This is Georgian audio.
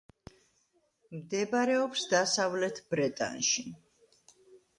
მდებარეობს დასავლეთ ბრეტანში.